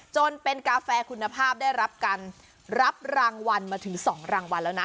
จนเป็นกาแฟคุณภาพได้รับการรับรางวัลมาถึง๒รางวัลแล้วนะ